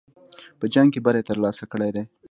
په جنګ کې بری ترلاسه کړی دی.